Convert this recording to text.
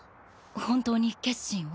本当に決心を？